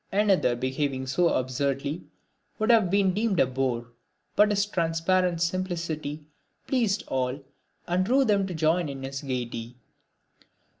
Another behaving so absurdly would have been deemed a bore, but his transparent simplicity pleased all and drew them to join in his gaiety.